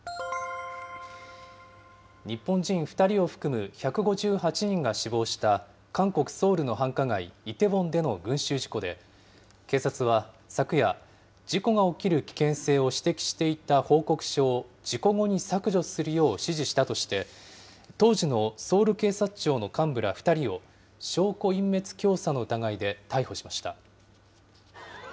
日本人２人を含む１５８人が死亡した、韓国・ソウルの繁華街イテウォンでの群集事故で警察は昨夜、事故が起きる危険性を指摘していた報告書を事故後に削除するよう指示したとして、当時のソウル警察庁の幹部ら２人を、証拠隠滅教唆の疑いで逮捕しました。